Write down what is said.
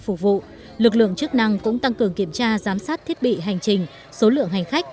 phục vụ lực lượng chức năng cũng tăng cường kiểm tra giám sát thiết bị hành trình số lượng hành khách